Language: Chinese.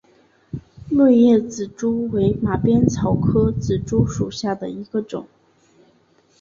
锐叶紫珠为马鞭草科紫珠属下的一个种。